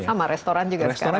sama restoran juga sekarang